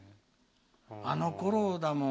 あのころだもん。